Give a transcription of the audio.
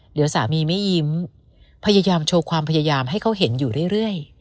เดี๋ยวสามีไม่ยิ้มพยายามโชว์ความพยายามให้เขาเห็นอยู่เรื่อย